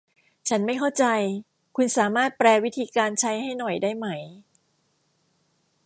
ฉันไม่เข้าใจ คุณสามารถแปลวิธีการใช้ให้หน่อยได้ไหม